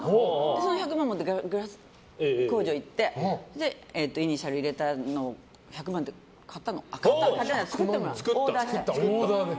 その１００万を持ってグラス工場に行ってイニシャル入れたものを１００万でオーダーで作ったの。